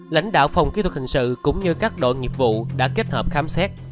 lãnh đạo phòng kỹ thuật hình sự cũng như các đội nghiệp vụ đã kết hợp khám xét